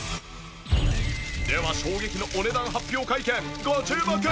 では衝撃のお値段発表会見ご注目！